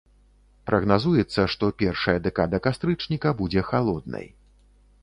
Прагназуецца, што першая дэкада кастрычніка будзе халоднай.